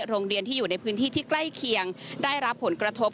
โรงเรียนที่อยู่ในพื้นที่ที่ใกล้เคียงได้รับผลกระทบ